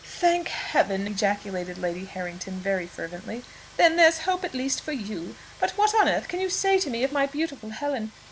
"Thank Heaven!" ejaculated Lady Harrington very fervently. "Then there's hope at least for you. But what on earth can you say to me of my beautiful Helen?